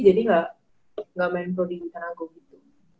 jadi ga main pro di tanago gitu